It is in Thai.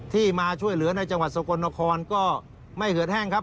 ที่มาช่วยเหลือในจังหวัดสกลนครก็ไม่เหือดแห้งครับ